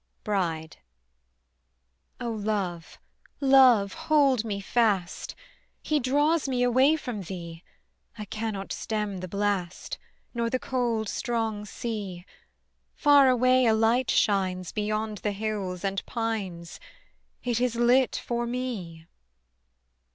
BRIDE. O love, love, hold me fast, He draws me away from thee; I cannot stem the blast, Nor the cold strong sea: Far away a light shines Beyond the hills and pines; It is lit for me.